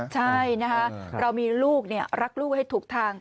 ใช่นะคะเรามีลูกรักลูกให้ถูกทาง